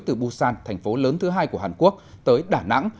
từ busan thành phố lớn thứ hai của hàn quốc tới đà nẵng